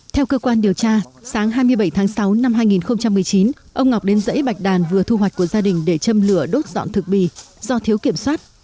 theo cơ quan điều tra sáng hai mươi bảy tháng sáu năm hai nghìn một mươi chín ông ngọc đến dãy bạch đàn vừa thu hoạch của gia đình để châm lửa đốt dọn thực bì do thiếu kiểm soát